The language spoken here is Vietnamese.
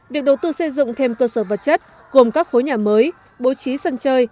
việc đầu tư xây dựng thêm cơ sở vật chất gồm các khối nhà mới bố trí sân chơi